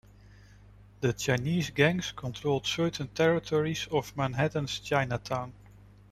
The Chinese gangs controlled certain territories of Manhattan's Chinatown.